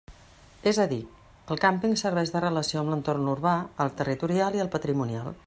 És a dir, el càmping serveix de relació amb l'entorn urbà, el territorial i el patrimonial.